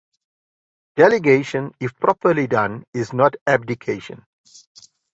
Delegation, if properly done, is not abdication.